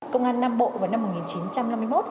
công an nam bộ vào năm một nghìn chín trăm năm mươi một